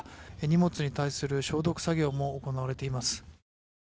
荷物に対する消毒作業も行われています。